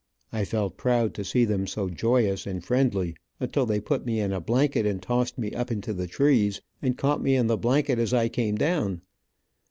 I felt proud to see them so joyous and friendly, until they put me in a blanket and tossed me up into the trees, and caught me in the blanket as I came down.